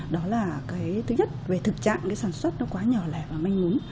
đó là cái thứ nhất về thực trạng cái sản xuất nó quá nhỏ lẻ và manh úm